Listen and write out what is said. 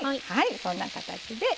こんな形で。